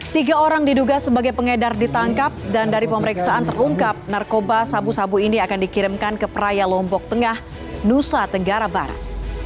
tiga orang diduga sebagai pengedar ditangkap dan dari pemeriksaan terungkap narkoba sabu sabu ini akan dikirimkan ke praya lombok tengah nusa tenggara barat